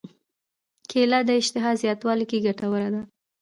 کېله د اشتها زیاتولو کې ګټوره ده.